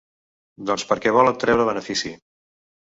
Doncs perquè volen traure benefici.